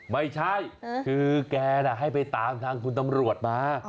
ไม่ใช่คือแกน่ะให้ไปตามทางคุณตำรวจมา